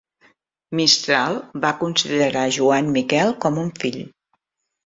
Mistral va considerar Joan Miquel com un fill.